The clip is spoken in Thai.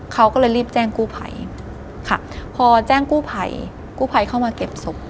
เขาก็เลยรีบแจ้งกู้ไภค่ะพอแจ้งกู้ไภเข้ามาเก็บศพ